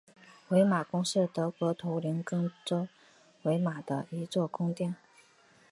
魏玛宫是德国图林根州魏玛的一座宫殿。